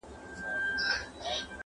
o مور که لېوه هم سي، خپل زوى نه خوري!